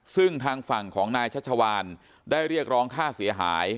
ซึ่งทางฝั่งของนายชัชวานได้เรียกร้องค่าเสียหาย